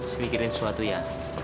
semikirin sesuatu ya